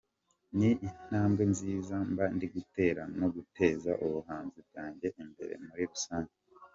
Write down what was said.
Ni intambwe nziza mba ndi gutera no guteza ubuhanzi bwanjye imbere muri rusange.